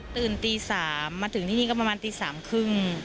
ตื่นตี๓มาถึงที่นี่ก็ประมาณตี๓๓๐